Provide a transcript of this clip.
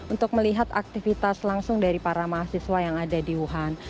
untuk melihat aktivitas langsung dari para mahasiswa yang ada di wuhan